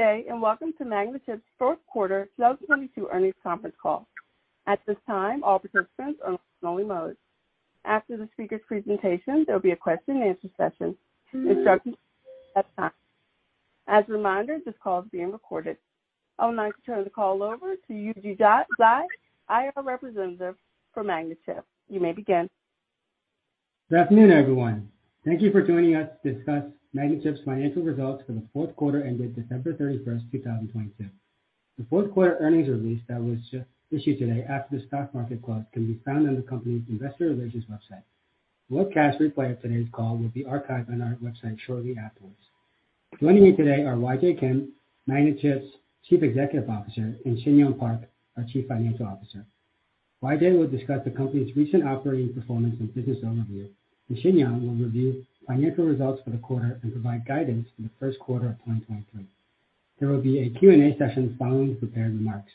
Good day, welcome to Magnachip's fourth quarter 2022 earnings conference call. At this time, all participants are in listen-only mode. After the speaker's presentation, there'll be a question and answer session. Instructions at time. As a reminder, this call is being recorded. I would now like to turn the call over to Yujia Zhai, IR representative for Magnachip. You may begin. Good afternoon, everyone. Thank you for joining us to discuss Magnachip's financial results for the fourth quarter ended December 31, 2022. The fourth quarter earnings release that was just issued today after the stock market close can be found on the company's investor relations website. Webcast replay of today's call will be archived on our website shortly afterwards. Joining me today are YJ Kim, Magnachip's Chief Executive Officer, and Shinyoung Park, our Chief Financial Officer. YJ will discuss the company's recent operating performance and business overview, and Shinyoung will review financial results for the quarter and provide guidance for the first quarter of 2023. There will be a Q&A session following the prepared remarks.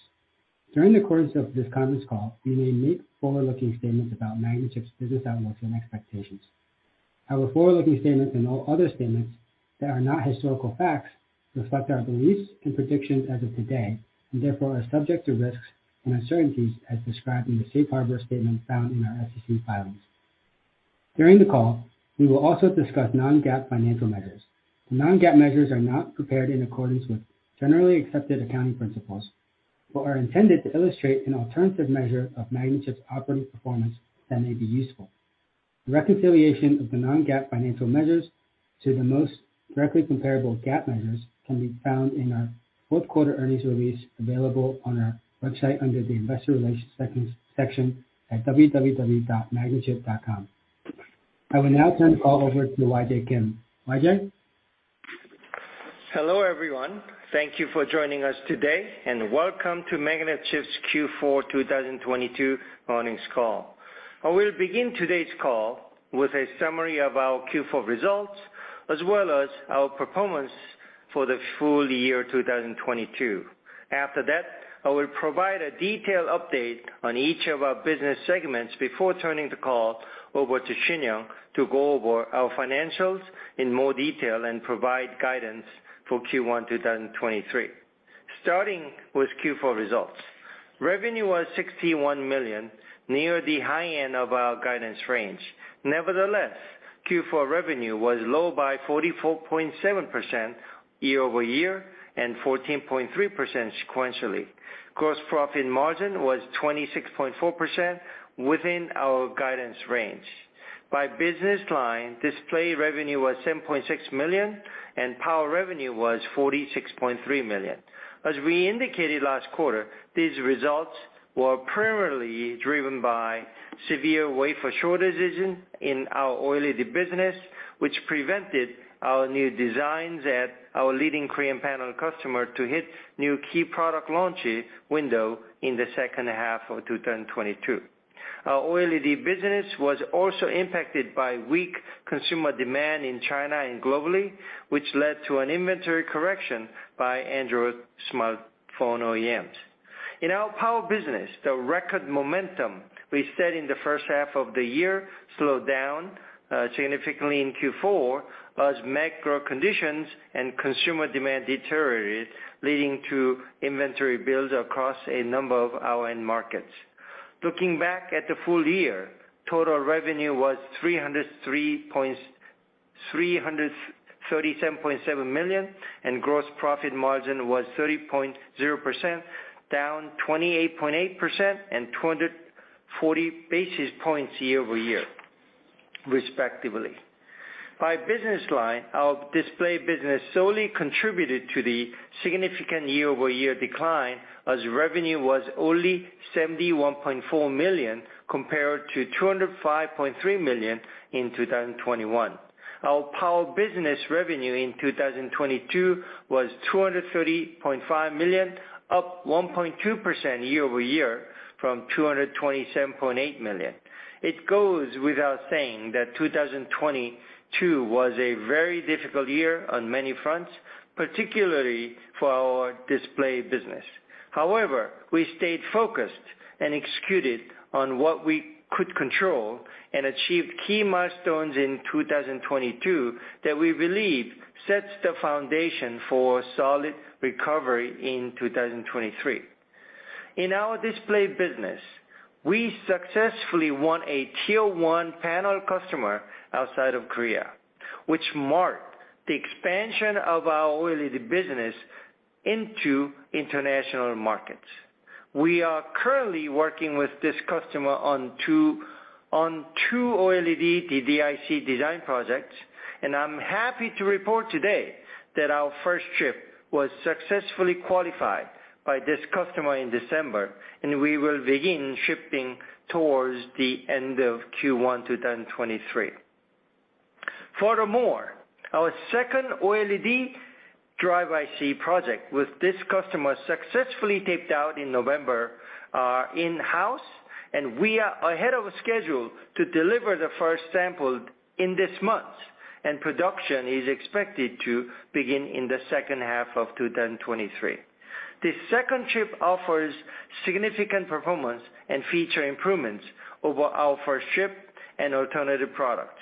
During the course of this conference call, we may make forward-looking statements about Magnachip's business outlook and expectations. Our forward-looking statements and all other statements that are not historical facts reflect our beliefs and predictions as of today, and therefore are subject to risks and uncertainties as described in the safe harbor statement found in our SEC filings. During the call, we will also discuss non-GAAP financial measures. The non-GAAP measures are not prepared in accordance with generally accepted accounting principles but are intended to illustrate an alternative measure of Magnachip's operating performance that may be useful. Reconciliation of the non-GAAP financial measures to the most directly comparable GAAP measures can be found in our fourth quarter earnings release available on our website under the investor relations section at www.magnachip.com. I will now turn the call over to YJ Kim. YJ? Hello, everyone. Thank you for joining us today, and welcome to Magnachip's Q4 2022 earnings call. I will begin today's call with a summary of our Q4 results, as well as our performance for the full year 2022. After that, I will provide a detailed update on each of our business segments before turning the call over to Shinyoung to go over our financials in more detail and provide guidance for Q1 2023. Starting with Q4 results. Revenue was $61 million, near the high end of our guidance range. Nevertheless, Q4 revenue was low by 44.7% year-over-year and 14.3% sequentially. Gross profit margin was 26.4% within our guidance range. By business line, display revenue was $7.6 million, and power revenue was $46.3 million. As we indicated last quarter, these results were primarily driven by severe wafer shortages in our OLED business, which prevented our new designs at our leading Korean panel customer to hit new key product launch window in the second half of 2022. Our OLED business was also impacted by weak consumer demand in China and globally, which led to an inventory correction by Android smartphone OEMs. In our power business, the record momentum we set in the first half of the year slowed down significantly in Q4 as macro conditions and consumer demand deteriorated, leading to inventory builds across a number of our end markets. Looking back at the full year, total revenue was $337.7 million, and gross profit margin was 30.0%, down 28.8% and 240 basis points year-over-year, respectively. By business line, our display business solely contributed to the significant year-over-year decline as revenue was only $71.4 million compared to $205.3 million in 2021. Our power business revenue in 2022 was $230.5 million, up 1.2% year-over-year from $227.8 million. It goes without saying that 2022 was a very difficult year on many fronts, particularly for our display business. We stayed focused and executed on what we could control and achieved key milestones in 2022 that we believe sets the foundation for solid recovery in 2023. In our display business, we successfully won a tier one panel customer outside of Korea, which marked the expansion of our OLED business into international markets. We are currently working with this customer on 2 OLED DDIC design projects, and I'm happy to report today that our first chip was successfully qualified by this customer in December, and we will begin shipping towards the end of Q1 2023. Our second OLED drive IC project with this customer successfully taped out in November in-house. We are ahead of schedule to deliver the first sample in this month. Production is expected to begin in the second half of 2023. This second chip offers significant performance and feature improvements over our first chip and alternative products.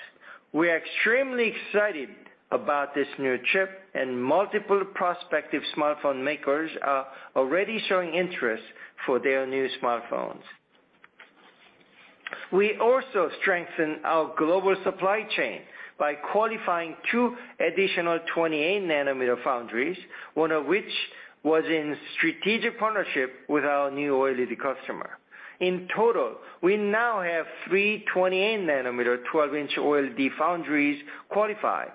We are extremely excited about this new chip. Multiple prospective smartphone makers are already showing interest for their new smartphones. We also strengthened our global supply chain by qualifying 2 additional 28nm foundries, one of which was in strategic partnership with our new OLED customer. In total, we now have 3 28nm 12-inch OLED foundries qualified.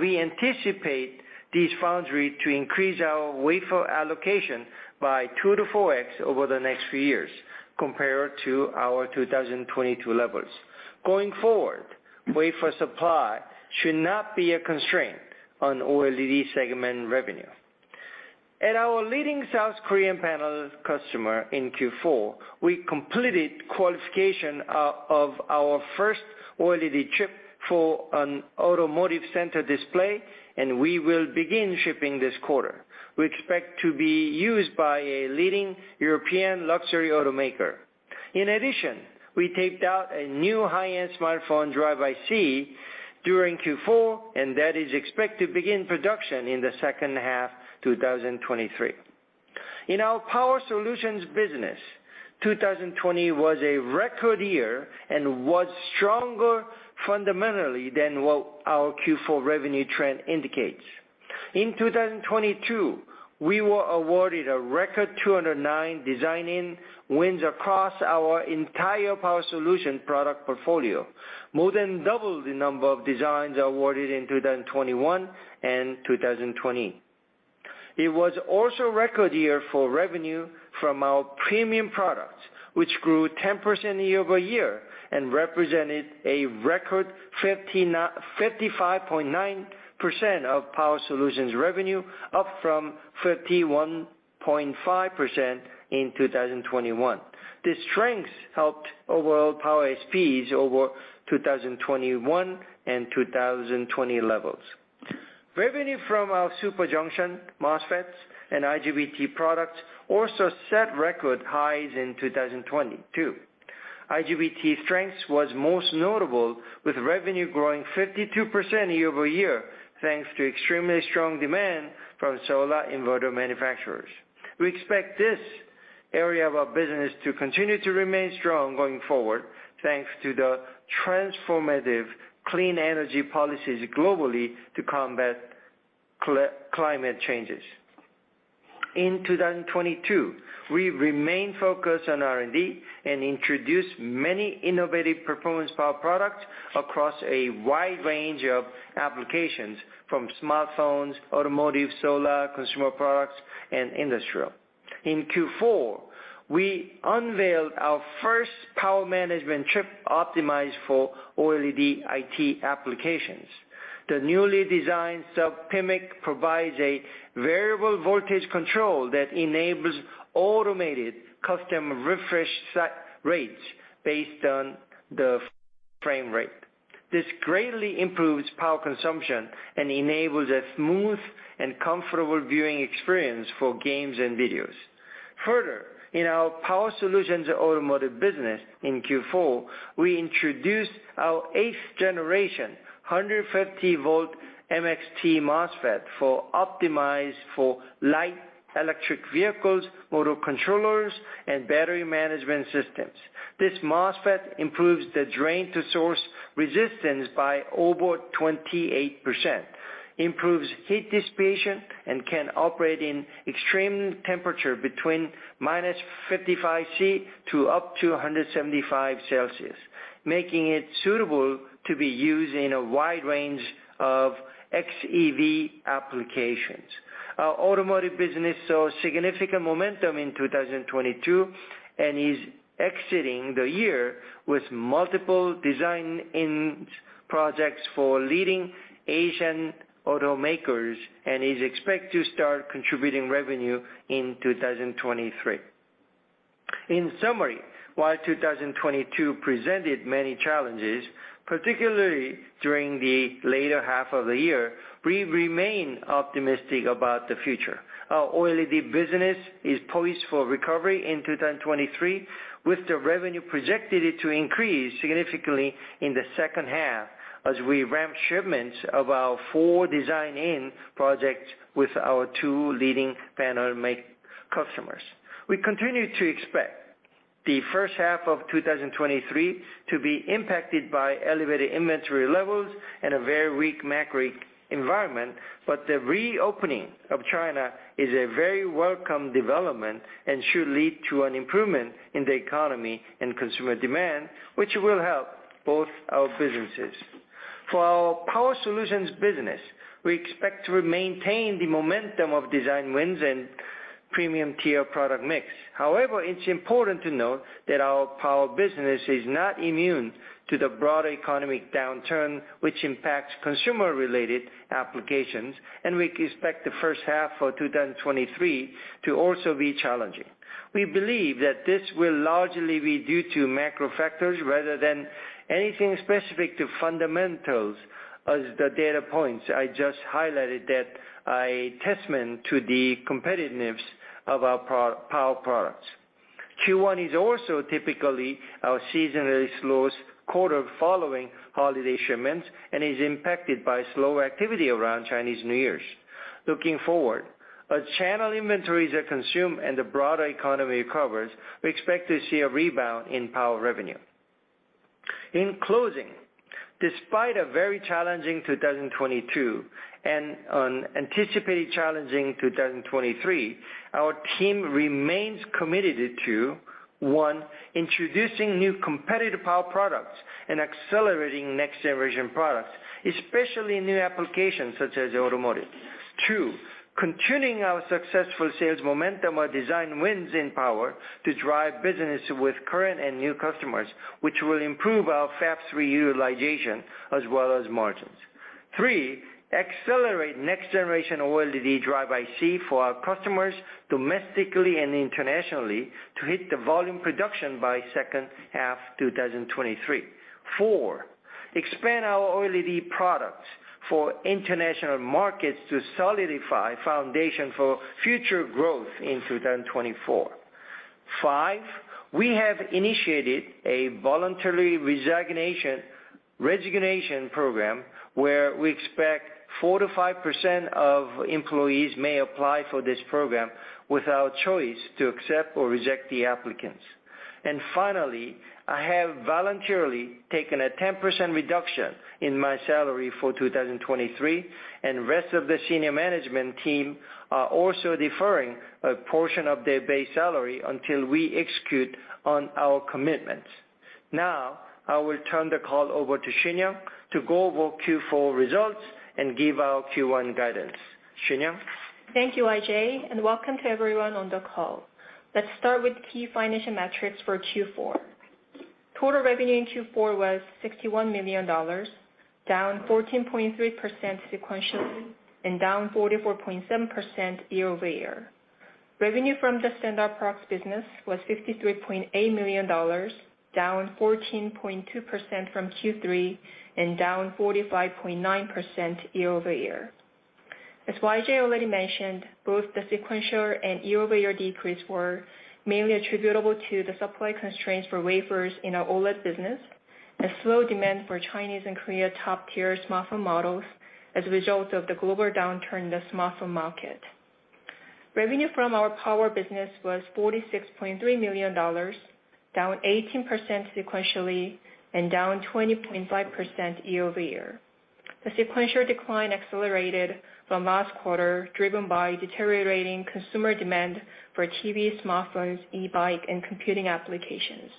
We anticipate these foundry to increase our wafer allocation by 2-4x over the next few years compared to our 2022 levels. Going forward, wafer supply should not be a constraint on OLED segment revenue. At our leading South Korean panel customer in Q4, we completed qualification of our first OLED chip for an automotive center display, and we will begin shipping this quarter. We expect to be used by a leading European luxury automaker. We taped out a new high-end smartphone driver IC during Q4, and that is expected to begin production in the second half 2023. In our power solutions business, 2020 was a record year and was stronger fundamentally than what our Q4 revenue trend indicates. In 2022, we were awarded a record 209 design wins across our entire power solution product portfolio, more than double the number of designs awarded in 2021 and 2020. It was also a record year for revenue from our premium products, which grew 10% year-over-year and represented a record 55.9% of power solutions revenue, up from 31.5% in 2021. This strength helped overall power ASPs over 2021 and 2020 levels. Revenue from our Super Junction MOSFETs and IGBT products also set record highs in 2022. IGBT strength was most notable, with revenue growing 52% year-over-year, thanks to extremely strong demand from solar inverter manufacturers. We expect this area of our business to continue to remain strong going forward, thanks to the transformative clean energy policies globally to combat climate changes. In 2022, we remained focused on R&D and introduced many innovative performance power products across a wide range of applications from smartphones, automotive, solar, consumer products, and industrial. In Q4, we unveiled our first power management chip optimized for OLED IT applications. The newly designed sub-PMIC provides a variable voltage control that enables automated custom refresh set rates based on the frame rate. This greatly improves power consumption and enables a smooth and comfortable viewing experience for games and videos. Further, in our power solutions automotive business in Q4, we introduced our eighth generation 150 volt MXT MOSFET for optimized for light electric vehicles, motor controllers, and battery management systems. This MOSFET improves the drain to source resistance by over 28%, improves heat dissipation, and can operate in extreme temperature between -55 degrees Celsius to up to 175 degrees Celsius, making it suitable to be used in a wide range of XEV applications. Our automotive business saw significant momentum in 2022 and is exiting the year with multiple design-in projects for leading Asian automakers and is expected to start contributing revenue in 2023. In summary, while 2022 presented many challenges, particularly during the later half of the year, we remain optimistic about the future. Our OLED business is poised for recovery in 2023, with the revenue projected to increase significantly in the second half as we ramp shipments of our four design-in projects with our two leading panel make customers. We continue to expect the first half of 2023 to be impacted by elevated inventory levels and a very weak macro environment. The reopening of China is a very welcome development and should lead to an improvement in the economy and consumer demand, which will help both our businesses. For our power solutions business, we expect to maintain the momentum of design wins and premium tier product mix. However, it's important to note that our power business is not immune to the broader economic downturn, which impacts consumer-related applications, and we expect the first half for 2023 to also be challenging. We believe that this will largely be due to macro factors rather than anything specific to fundamentals as the data points I just highlighted that are a testament to the competitiveness of our pro- power products. Q1 is also typically our seasonally slowest quarter following holiday shipments and is impacted by slow activity around Chinese New Year. Looking forward, as channel inventories are consumed and the broader economy recovers, we expect to see a rebound in power revenue. In closing, despite a very challenging 2022 and an anticipated challenging 2023, our team remains committed to, 1, introducing new competitive power products and accelerating next generation products, especially new applications such as automotive. 2, continuing our successful sales momentum or design wins in power to drive business with current and new customers, which will improve our Fab 3 utilization as well as margins. Three, accelerate next generation OLED driver IC for our customers domestically and internationally to hit the volume production by second half 2023. Four, expand our OLED products for international markets to solidify foundation for future growth in 2024. Five, we have initiated a voluntary resignation program, where we expect 4% to 5% of employees may apply for this program with our choice to accept or reject the applicants. Finally, I have voluntarily taken a 10% reduction in my salary for 2023, and rest of the senior management team are also deferring a portion of their base salary until we execute on our commitments. Now, I will turn the call over to Shinyoung to go over Q4 results and give our Q1 guidance. Shinyoung? Thank you, YJ. Welcome to everyone on the call. Let's start with key financial metrics for Q4. Total revenue in Q4 was $61 million, down 14.3% sequentially and down 44.7% year-over-year. Revenue from the standard products business was $53.8 million, down 14.2% from Q3 and down 45.9% year-over-year. As YJ already mentioned, both the sequential and year-over-year decrease were mainly attributable to the supply constraints for wafers in our OLED business and slow demand for Chinese and Korea top-tier smartphone models as a result of the global downturn in the smartphone market. Revenue from our power business was $46.3 million, down 18% sequentially and down 20.5% year-over-year. The sequential decline accelerated from last quarter, driven by deteriorating consumer demand for TVs, smartphones, e-bike, and computing applications.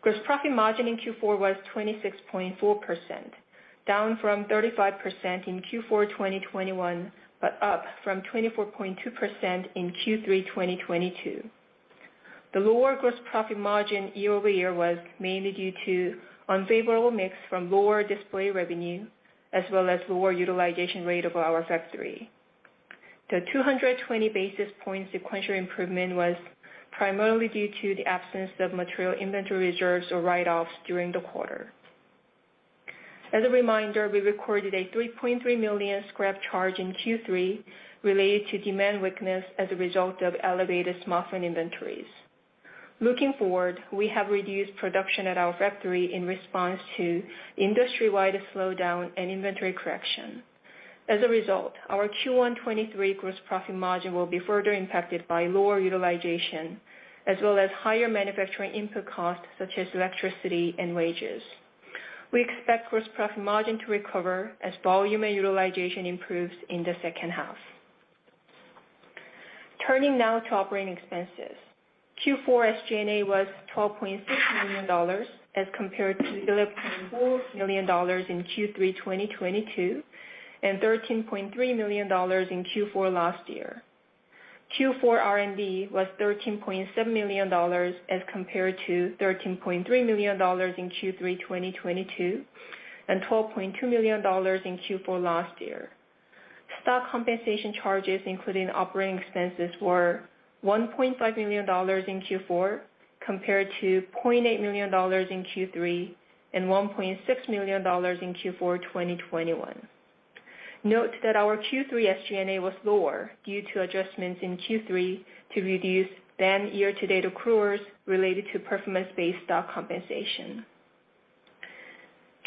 Gross profit margin in Q4 was 26.4%, down from 35% in Q4 2021, but up from 24.2% in Q3 2022. The lower gross profit margin year-over-year was mainly due to unfavorable mix from lower display revenue as well as lower utilization rate of our Fab 3. The 220 basis points sequential improvement was primarily due to the absence of material inventory reserves or write-offs during the quarter. As a reminder, we recorded a $3.3 million scrap charge in Q3 related to demand weakness as a result of elevated smartphone inventories. Looking forward, we have reduced production at our Fab 3 in response to industry-wide slowdown and inventory correction. As a result, our Q1 2023 gross profit margin will be further impacted by lower utilization as well as higher manufacturing input costs such as electricity and wages. We expect gross profit margin to recover as volume and utilization improves in the second half. Turning now to operating expenses. Q4 SG&A was $12.6 million as compared to $11.4 million in Q3 2022, and $13.3 million in Q4 last year. Q4 R&D was $13.7 million as compared to $13.3 million in Q3 2022, and $12.2 million in Q4 last year. Stock compensation charges, including operating expenses, were $1.5 million in Q4 compared to $0.8 million in Q3 and $1.6 million in Q4 2021. Note that our Q3 SG&A was lower due to adjustments in Q3 to reduce then year-to-date accruals related to performance-based stock compensation.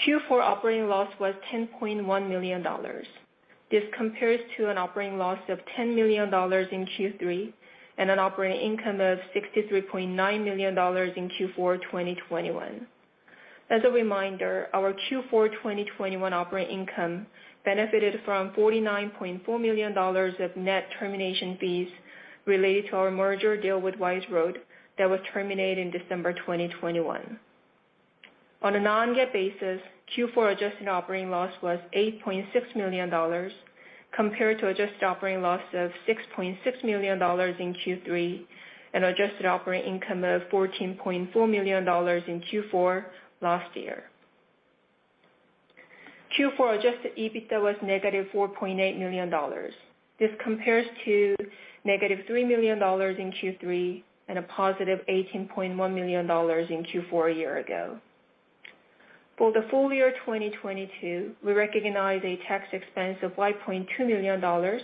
Q4 operating loss was $10.1 million. This compares to an operating loss of $10 million in Q3 and an operating income of $63.9 million in Q4 2021. As a reminder, our Q4 2021 operating income benefited from $49.4 million of net termination fees related to our merger deal with Wise Road that was terminated in December 2021. On a non-GAAP basis, Q4 adjusted operating loss was $8.6 million compared to adjusted operating loss of $6.6 million in Q3 and adjusted operating income of $14.4 million in Q4 last year. Q4 adjusted EBITDA was negative $4.8 million. This compares to -$3 million in Q3 and a positive $18.1 million in Q4 a year ago. For the full year 2022, we recognize a tax expense of $5.2 million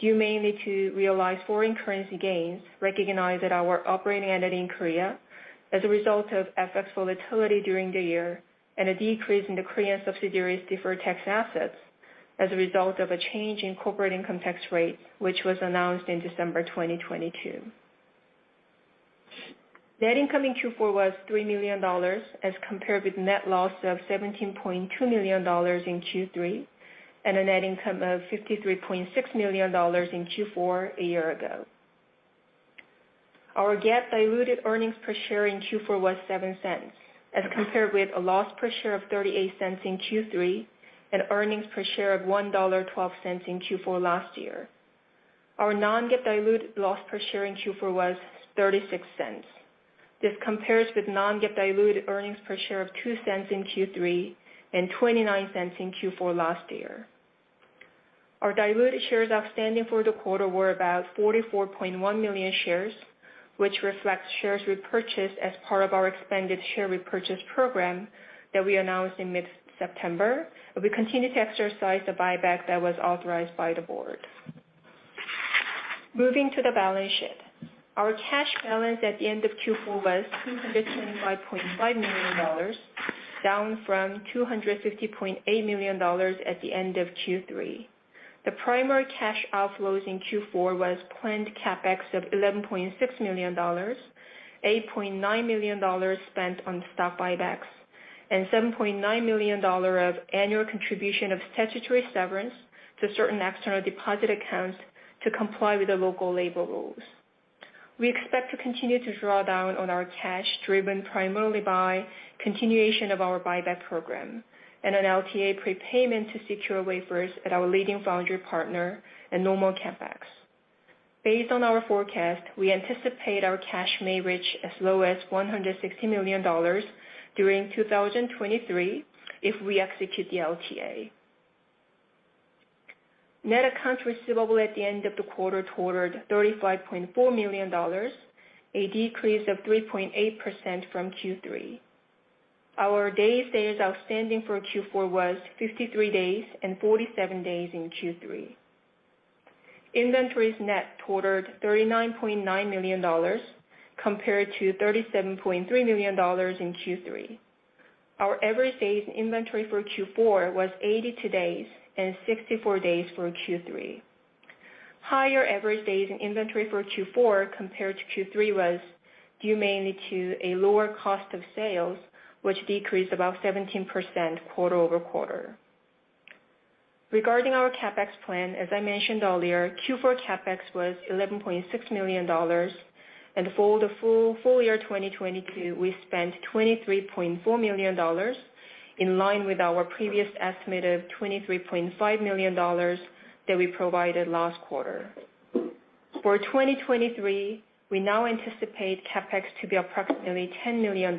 due mainly to realized foreign currency gains recognized at our operating entity in Korea as a result of FX volatility during the year, and a decrease in the Korean subsidiary's deferred tax assets as a result of a change in corporate income tax rate, which was announced in December 2022. Net income in Q4 was $3 million, as compared with net loss of $17.2 million in Q3, and a net income of $53.6 million in Q4 a year ago. Our GAAP diluted earnings per share in Q4 was $0.07, as compared with a loss per share of $0.38 in Q3, and earnings per share of $1.12 in Q4 last year. Our non-GAAP diluted loss per share in Q4 was $0.36. This compares with non-GAAP diluted earnings per share of $0.02 in Q3 and $0.29 in Q4 last year. Our diluted shares outstanding for the quarter were about 44.1 million shares, which reflects shares repurchased as part of our expanded share repurchase program that we announced in mid-September, but we continue to exercise the buyback that was authorized by the board. Moving to the balance sheet. Our cash balance at the end of Q4 was $225.5 million, down from $250.8 million at the end of Q3. The primary cash outflows in Q4 was planned CapEx of $11.6 million, $8.9 million spent on stock buybacks, and $7.9 million of annual contribution of statutory severance to certain external deposit accounts to comply with the local labor rules. We expect to continue to draw down on our cash, driven primarily by continuation of our buyback program and an LTA prepayment to secure wafers at our leading foundry partner and normal CapEx. Based on our forecast, we anticipate our cash may reach as low as $160 million during 2023 if we execute the LTA. Net accounts receivable at the end of the quarter totaled $35.4 million, a decrease of 3.8% from Q3. Our days sales outstanding for Q4 was 53 days and 47 days in Q3. Inventories net totaled $39.9 million compared to $37.3 million in Q3. Our average days inventory for Q4 was 82 days and 64 days for Q3. Higher average days in inventory for Q4 compared to Q3 was due mainly to a lower cost of sales, which decreased about 17% quarter-over-quarter. Regarding our CapEx plan, as I mentioned earlier, Q4 CapEx was $11.6 million. For the full year 2022, we spent $23.4 million, in line with our previous estimate of $23.5 million that we provided last quarter. For 2023, we now anticipate CapEx to be approximately $10 million,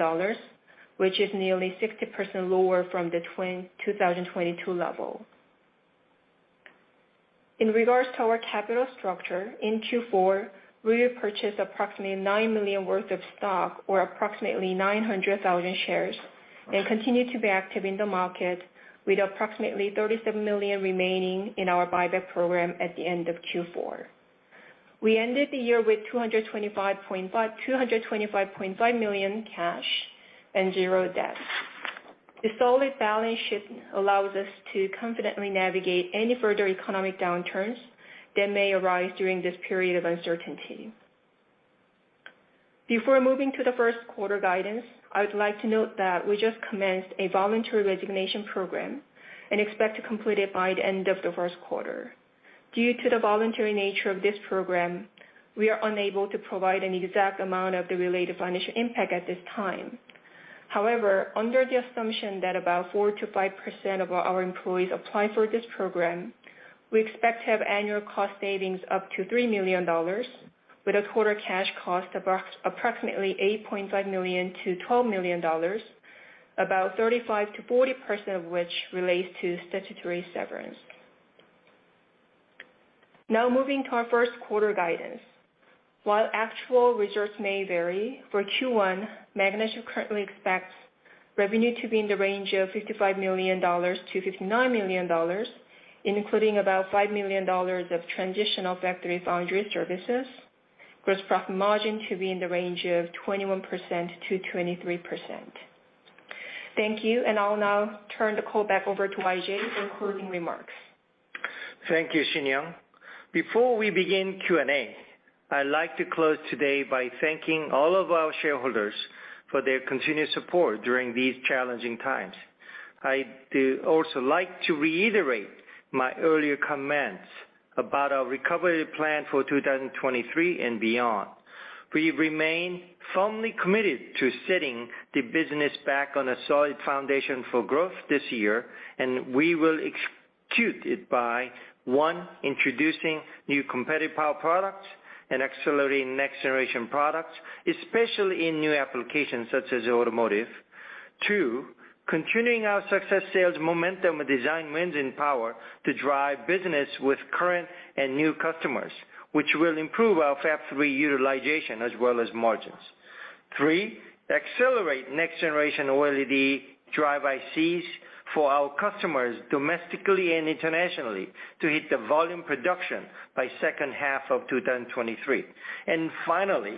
which is nearly 60% lower from the 2022 level. In regards to our capital structure, in Q4, we repurchased approximately $9 million worth of stock, or approximately 900,000 shares, and continue to be active in the market with approximately $37 million remaining in our buyback program at the end of Q4. We ended the year with $225.5 million cash and zero debt. The solid balance sheet allows us to confidently navigate any further economic downturns that may arise during this period of uncertainty. Before moving to the first quarter guidance, I would like to note that we just commenced a voluntary resignation program and expect to complete it by the end of the first quarter. Due to the voluntary nature of this program, we are unable to provide an exact amount of the related financial impact at this time. However, under the assumption that about 4%-5% of our employees apply for this program, we expect to have annual cost savings up to $3 million with a total cash cost approximately $8.5 million-$12 million, about 35%-40% of which relates to statutory severance. Moving to our first quarter guidance. While actual results may vary, for Q1, Magnachip currently expects revenue to be in the range of $55 million-$59 million, including about $5 million of transitional factory foundry services. Gross profit margin to be in the range of 21%-23%. Thank you. I'll now turn the call back over to YJ for concluding remarks. Thank you, Shinyoung. Before we begin Q&A, I like to close today by thanking all of our shareholders for their continued support during these challenging times. I'd also like to reiterate my earlier comments about our recovery plan for 2023 and beyond. We remain firmly committed to setting the business back on a solid foundation for growth this year, and we will execute it by, 1, introducing new competitive power products and accelerating next generation products, especially in new applications such as automotive. 2, continuing our success sales momentum with design wins in power to drive business with current and new customers, which will improve our Fab 3 utilization as well as margins. 3, accelerate next generation OLED drive ICs for our customers domestically and internationally to hit the volume production by second half of 2023. Finally,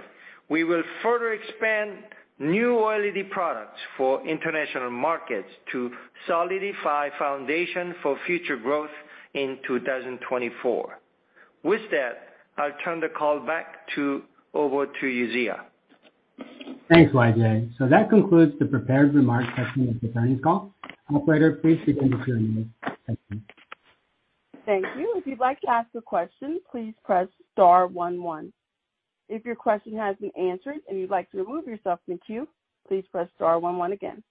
we will further expand new OLED products for international markets to solidify foundation for future growth in 2024. With that, I'll turn the call over to Yujia Zhai. Thanks, YJ. That concludes the prepared remarks section of the earnings call. Operator, please begin the Q&A. Thank you. Thank you. If you'd like to ask a question, please press star one one. If your question has been answered and you'd like to remove yourself from the queue, please press star one one again.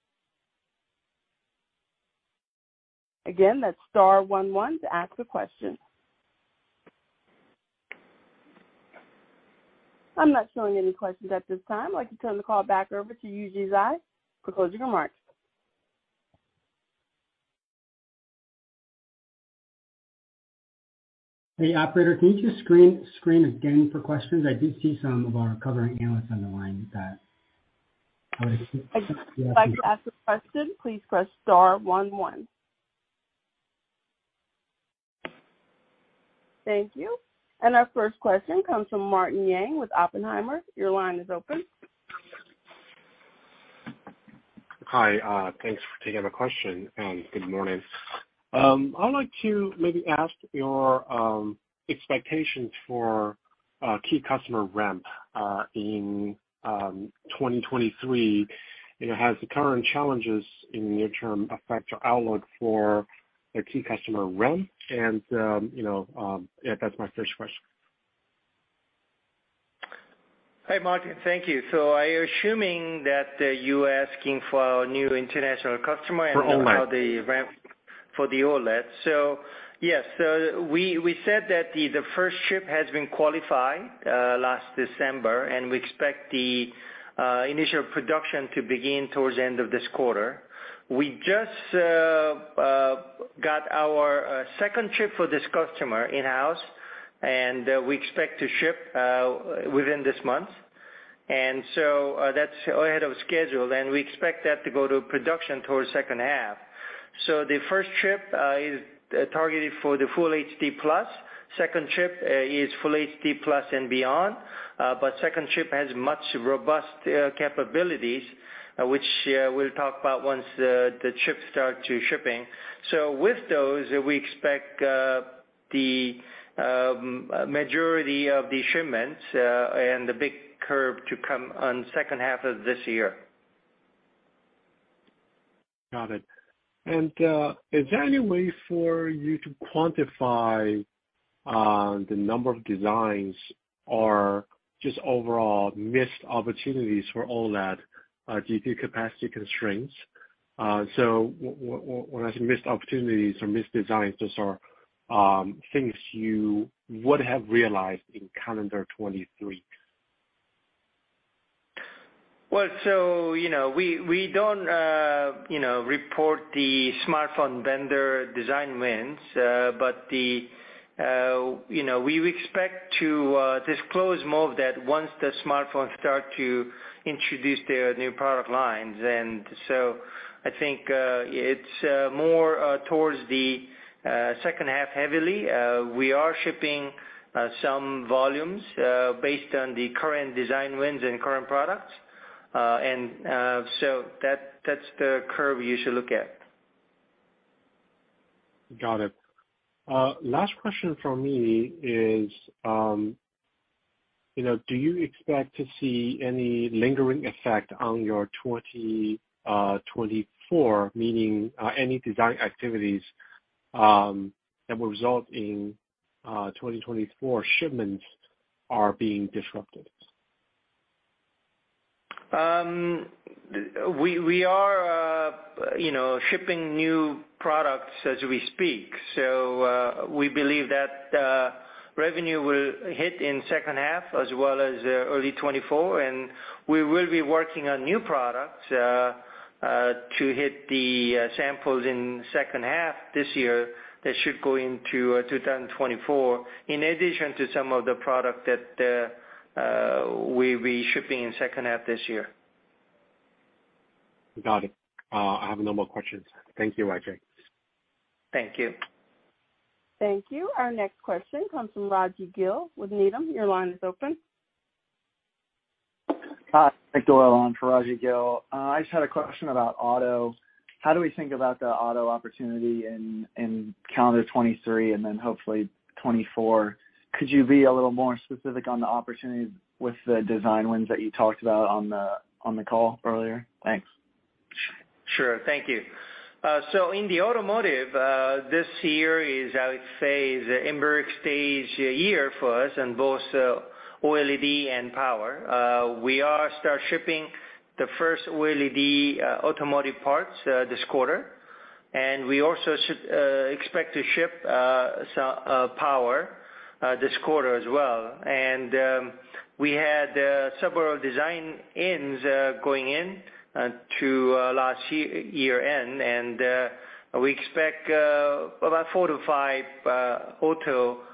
Again, that's star one one to ask a question. I'm not showing any questions at this time. I'd like to turn the call back over to Yujia Zhai for closing remarks. Hey, operator, can you just screen again for questions? If you'd like to ask a question, please press star one one. Thank you. Our first question comes from Martin Yang with Oppenheimer. Your line is open. Hi, thanks for taking my question, and good morning. I would like to maybe ask your expectations for key customer ramp in 2023. You know, has the current challenges in near term affect your outlook for a key customer ramp? You know, yeah, that's my first question. Hi, Martin. Thank you. I assuming that you're asking for our new international customer-. For OLED. About the ramp for the OLED. Yes. We said that the first ship has been qualified last December, and we expect the initial production to begin towards the end of this quarter. We just got our second ship for this customer in-house, and we expect to ship within this month. That's ahead of schedule, and we expect that to go to production towards second half. The first ship is targeted for the Full HD+. Second ship is Full HD+ and beyond. But second ship has much robust capabilities, which we'll talk about once the ships start to shipping. With those, we expect the majority of the shipments and the big curve to come on second half of this year. Got it. Is there any way for you to quantify the number of designs or just overall missed opportunities for OLED due to capacity constraints? When I say missed opportunities or missed designs, those are things you would have realized in calendar 23. Well, you know, we don't, you know, report the smartphone vendor design wins. You know, we expect to disclose more of that once the smartphones start to introduce their new product lines. I think, it's more towards the second half heavily. We are shipping some volumes based on the current design wins and current products. That's the curve you should look at. Got it. Last question from me is, you know, do you expect to see any lingering effect on your 2024? Meaning, any design activities that will result in 2024 shipments are being disrupted. We are, you know, shipping new products as we speak. We believe that revenue will hit in second half as well as early 2024. We will be working on new products to hit the samples in second half this year. That should go into 2024, in addition to some of the product that we'll be shipping in second half this year. Got it. I have no more questions. Thank you, YJ. Thank you. Thank you. Our next question comes Rajvindra Gill with Needham. Your line is open. Hi, Nick Doyle on Rajvindra Gill. I just had a question about auto. How do we think about the auto opportunity in calendar 2023 and then hopefully 2024? Could you be a little more specific on the opportunities with the design wins that you talked about on the call earlier? Thanks. Sure. Thank you. In the automotive, this year is, I would say, is the embark stage year for us in both OLED and power. We are start shipping the first OLED automotive parts this quarter. We also expect to ship power this quarter as well. We had several design wins going in to last year end. We expect about four to five automotive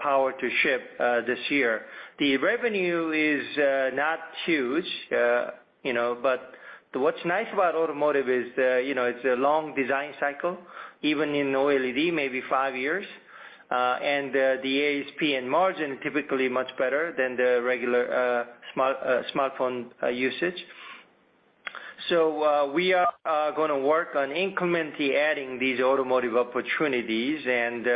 power to ship this year. The revenue is not huge, you know, but what's nice about automotive is the, you know, it's a long design cycle, even in OLED, maybe five years. The ASP and margin typically much better than the regular smartphone usage. We are gonna work on incrementally adding these automotive opportunities and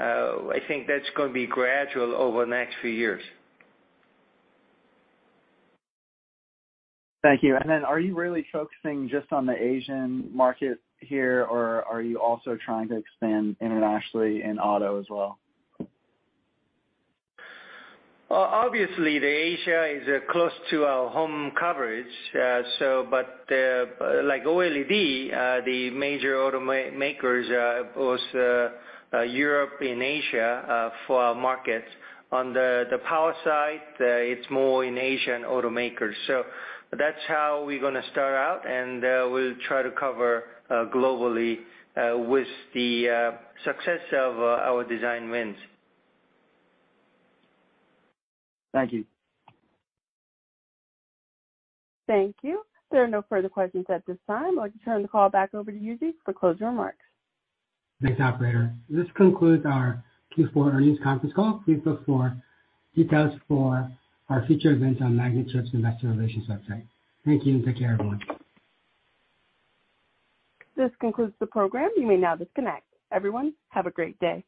I think that's gonna be gradual over the next few years. Thank you. Are you really focusing just on the Asian market here, or are you also trying to expand internationally in auto as well? Obviously, the Asia is close to our home coverage. But, like OLED, the major auto makers, both Europe and Asia, for our markets. On the power side, it's more in Asian automakers. That's how we're gonna start out, and we'll try to cover globally with the success of our design wins. Thank you. Thank you. There are no further questions at this time. I'd like to turn the call back over to Yujia Zhai for closing remarks. Thanks, operator. This concludes our Q4 earnings conference call. Please look for details for our future events on Magnachip's Investor Relations website. Thank you and take care, everyone. This concludes the program. You may now disconnect. Everyone, have a great day.